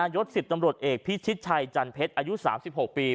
ศ๑๐ตำรวจเอกพิชิตชัยจันเพชรอายุ๓๖ปี